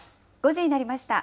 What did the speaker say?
５時になりました。